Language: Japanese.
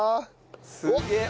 すげえ。